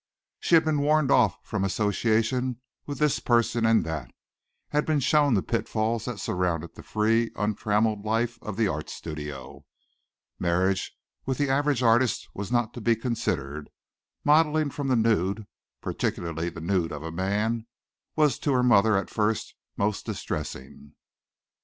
She had been warned off from association with this person and that; had been shown the pitfalls that surround the free, untrammelled life of the art studio. Marriage with the average artist was not to be considered. Modelling from the nude, particularly the nude of a man, was to her mother at first most distressing.